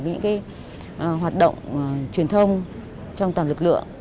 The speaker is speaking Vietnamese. những hoạt động truyền thông trong toàn lực lượng